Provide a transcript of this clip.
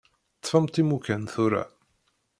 Ṭṭfemt imukan tura.